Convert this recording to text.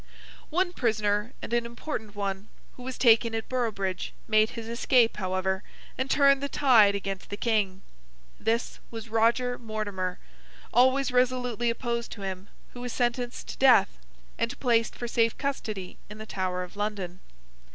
One prisoner, and an important one, who was taken at Boroughbridge, made his escape, however, and turned the tide against the King. This was Roger Mortimer, always resolutely opposed to him, who was sentenced to death, and placed for safe custody in the Tower of London.